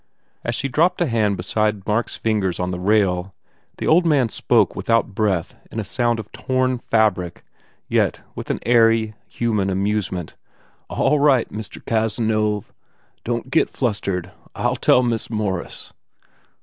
As she dropped a hand beside Mark s fingers on the rail the old man spoke without breath in a .sound of torn fabric yet with an ai^y, human amusement. "All right, Mister Caz nove. Don t git flustered. I ll tell Miss Morris."